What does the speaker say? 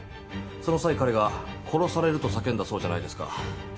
その際彼が殺されると叫んだそうじゃないですか。